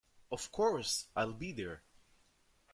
Of course, I’ll be there!